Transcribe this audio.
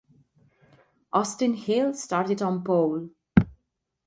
Austin Hill started on pole.